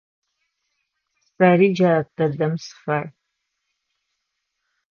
Сэри джар дэдэм сыфай.